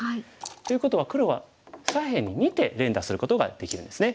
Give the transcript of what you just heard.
ということは黒は左辺に２手連打することができるんですね。